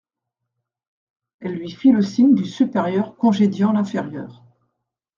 Elle lui fit le signe du supérieur congédiant l'inférieur.